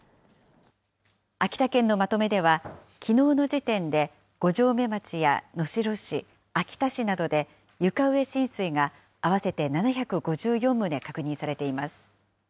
秋田県のまとめでは、きのうの時点で、五城目町や能代市、秋田市などで床上浸水が合わせて７５４棟確認されています。